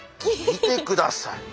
見てください。